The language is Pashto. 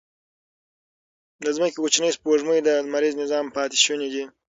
د ځمکې کوچنۍ سپوږمۍ د لمریز نظام پاتې شوني دي.